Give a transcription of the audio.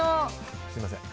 すみません。